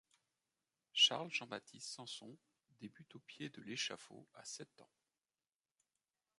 Charles Jean-Baptiste Sanson débute au pied de l'échafaud à sept ans.